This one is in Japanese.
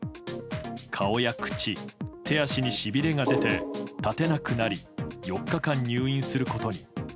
顔や口、手足にしびれが出て立てなくなり４日間入院することに。